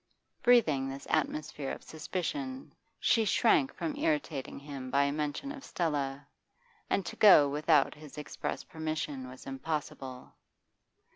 Breathing this atmosphere of suspicion, she shrank from irritating him by a mention of Stella, and to go without his express permission was impossible.